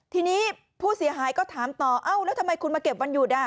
ทีนี้ผู้เสียหายก็ถามต่อเอ้าแล้วทำไมคุณมาเก็บวันหยุด